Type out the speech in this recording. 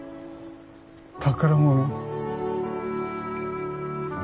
宝物。